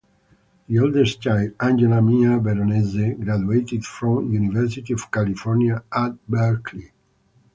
The eldest child, Angela Mia Veronese, graduated from University of California at Berkeley.